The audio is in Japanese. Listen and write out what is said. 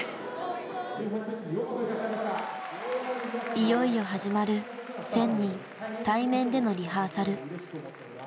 いよいよ始まる１，０００人対面でのリハーサル。